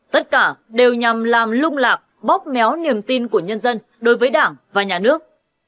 tất cả đều nhằm làm lung lạc bóp méo niềm tin của nhân dân đối với đảng và nhà nước